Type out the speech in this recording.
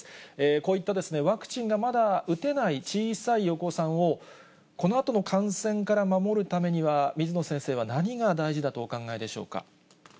こういったワクチンがまだ打てない小さいお子さんを、このあとの感染から守るためには、水野先生は何が大事だとお考えでしょうか。